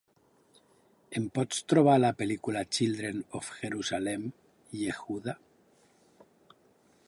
Em pots trobar la pel·lícula Children of Jerusalem: Yehuda?